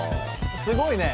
すごいね！